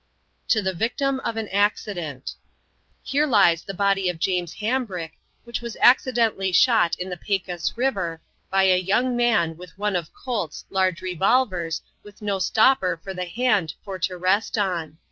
To the victim of an accident: "Here lies the body of James Hambrick which was accidentally shot in the Pacas River by a young man with one of Colts large revolvers with no stopper for the hand for to rest on.